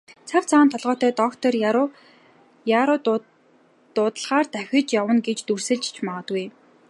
Цав цагаан толгойтой доктор яаруу дуудлагаар давхиж явна гэж дүрсэлж ч магадгүй.